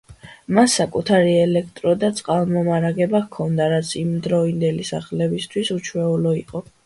მას საკუთარი ელექტრო და წყალმომარაგება ჰქონდა, რაც იმდროინდელი სახლებისთვის უჩვეულო იყო.